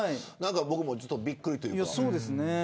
僕もちょっとびっくりというか。